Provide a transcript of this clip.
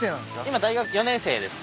今大学４年生です。